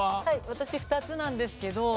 私２つなんですけど。